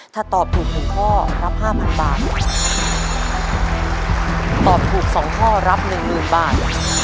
ถ้าตอบถูกหนึ่งข้อรับห้าพันบาทตอบถูกสองข้อรับหนึ่งหมื่นบาท